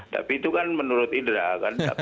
tapi itu kan menurut indra kan